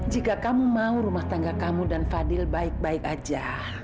jika kamu mau rumah tangga kamu dan fadil baik baik aja